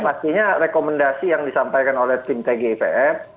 pastinya rekomendasi yang disampaikan oleh tim tgipf